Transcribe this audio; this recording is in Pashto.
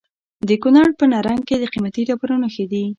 د کونړ په نرنګ کې د قیمتي ډبرو نښې دي.